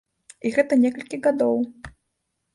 І гэта некалькі гадоў.